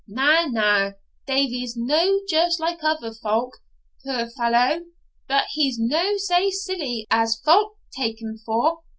Na, na, Davie's no just like other folk, puir fallow; but he's no sae silly as folk tak him for.